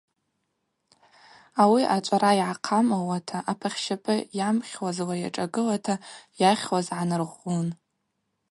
Ауи ачӏвара йгӏахъамылуата, апахьщапӏы йамхьуазла йашӏагылата йахьуаз гӏанаргъвгъвун.